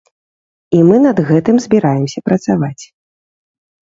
І мы над гэтым збіраемся працаваць.